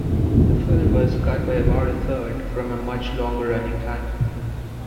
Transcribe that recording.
The film was cut by about a third from a much longer running time.